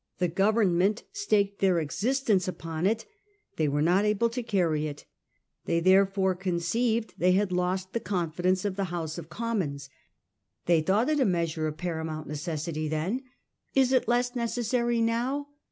The Government staked their existence upon it. They were not able to carry it ; they therefore conceived they had lost the confidence of the House of Commons. 1839. COMPROMISE. 137 They thought it a measure of paramount necessity then. Is it less necessary now